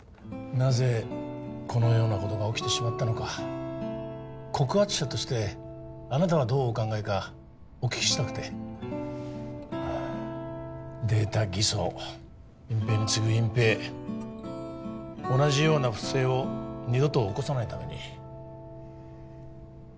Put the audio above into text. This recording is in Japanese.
なぜこのようなことが起きてしまったのか告発者としてあなたはどうお考えかお聞きしたくてはぁデータ偽装隠蔽に次ぐ隠蔽同じような不正を二度と起こさないために意見を聞かせてもらえませんか？